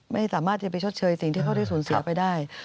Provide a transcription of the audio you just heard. ไม่สามารถจะไปชดเชยสิ่งที่เขาได้สูญเสียไปได้